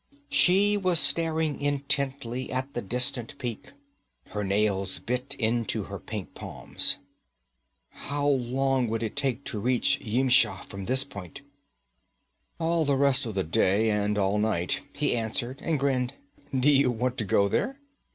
She was staring intently at the distant peak. Her nails bit into her pink palms. 'How long would it take to reach Yimsha from this point?' 'All the rest of the day, and all night,' he answered, and grinned. 'Do you want to go there?